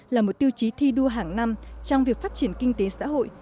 là một tiêu chí thi đua hàng năm trong việc phát triển kinh tế xã hội